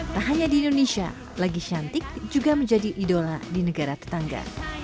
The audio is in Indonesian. tak hanya di indonesia lagi cantik juga menjadi idola di negara tetangga